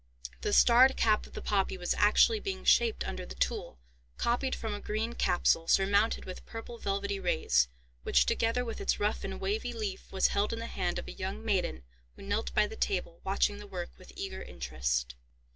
The starred cap of the poppy was actually being shaped under the tool, copied from a green capsule, surmounted with purple velvety rays, which, together with its rough and wavy leaf, was held in the hand of a young maiden who knelt by the table, watching the work with eager interest.